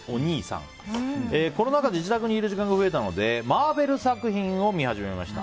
コロナ禍で自宅にいる時間が増えたのでマーベル作品を見始めました。